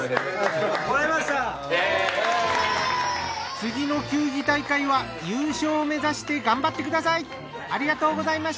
次の球技大会は優勝目指して頑張ってください。